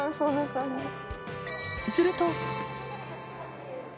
すると。